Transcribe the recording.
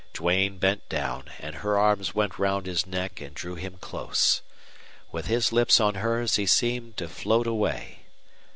Duane bent down, and her arms went round his neck and drew him close. With his lips on hers he seemed to float away.